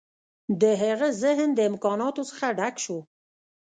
د هغه ذهن د امکاناتو څخه ډک شو